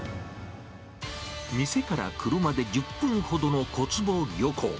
店から車で１０分ほどの小坪漁港。